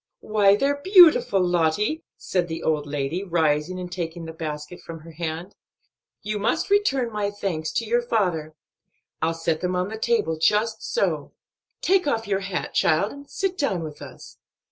"Why, they're beautiful, Lottie!" said the old lady, rising and taking the basket from her hand. "You must return my best thanks to your father. I'll set them on the table just so. Take off your hat, child, and sit down with us.